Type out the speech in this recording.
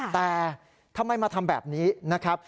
แต่ทำไมมาทำแบบนี้นะครับ